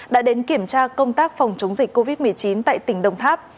đã đến kiểm tra công tác phòng chống dịch covid một mươi chín tại tỉnh đồng tháp